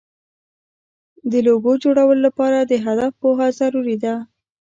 د لوګو جوړولو لپاره د هدف پوهه ضروري ده.